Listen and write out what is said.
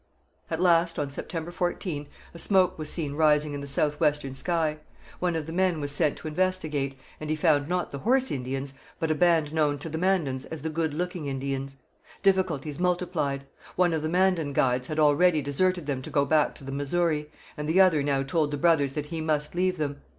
At last, on September 14, a smoke was seen rising in the south western sky. One of the men was sent to investigate, and he found not the Horse Indians but a band known to the Mandans as the Good looking Indians. Difficulties multiplied. One of the Mandan guides had already deserted them to go back to the Missouri, and the other now told the brothers that he must leave them.